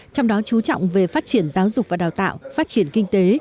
trong đó chú trọng về phát triển giáo dục và đào tạo phát triển kinh tế